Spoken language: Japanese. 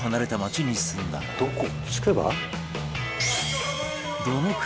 「どこ？」